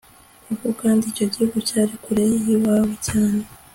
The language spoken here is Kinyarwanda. koko kandi icyo gihugu cyari kure y'iwabo cyane